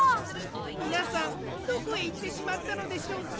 みなさんどこへいってしまったのでしょうか？